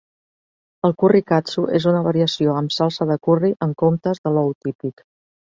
El curri Katsu és una variació amb salsa de curri en comptes de l'ou típic.